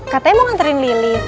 katanya mau nganterin lilis